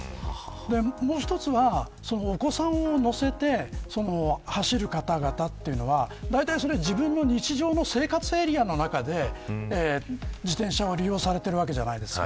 もう１つは、お子さんを乗せて走る方々というのは自分の日常の生活エリアの中で自転車を利用されているわけじゃないですか。